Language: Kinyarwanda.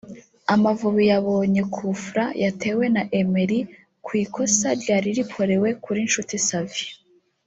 Amavubi yabonye coup-franc yatewe na Emery ku ikosa ryari rikorewe kuri Nshuti Savio